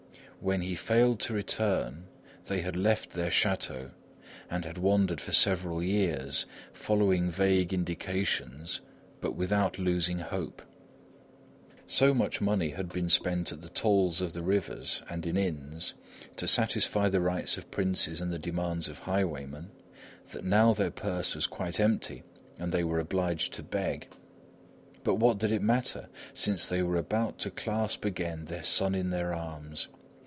When he failed to return, they had left their château; and had wandered for several years, following vague indications but without losing hope. So much money had been spent at the tolls of the rivers and in inns, to satisfy the rights of princes and the demands of highwaymen, that now their purse was quite empty and they were obliged to beg. But what did it matter, since they were about to clasp again their son in their arms?